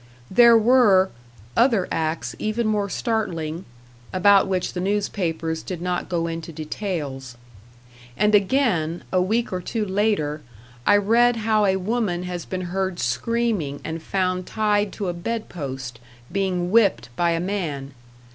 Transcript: There were "other acts, even more startling", about which the newspapers did not go into details. And again, a week or two later, I read how a woman has been heard screaming, and found tied to a bed post, being whipped by a man.